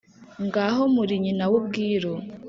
Ngaho muri nyina w’Ubwiru !